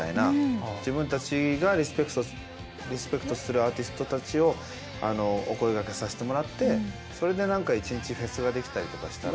自分たちがリスペクトするアーティストたちをお声がけさせてもらってそれで何か一日フェスができたりとかしたら。